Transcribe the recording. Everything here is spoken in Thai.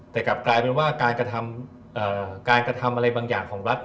แต่กลับกลายเป็นว่าการกระทำการกระทำอะไรบางอย่างของรัฐ